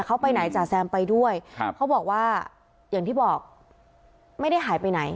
เขาไปไหนจ๋าแซมไปด้วยครับเขาบอกว่าอย่างที่บอกไม่ได้หายไปไหน